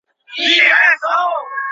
迭代幂次可被推广至无穷高。